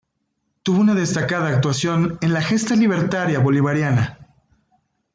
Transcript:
Tuvo una destacada actuación en la Gesta Libertaria Bolivariana.